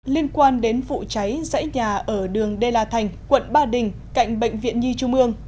liên quan đến vụ cháy dãy nhà ở đường đê la thành quận ba đình cạnh bệnh viện nhi trung ương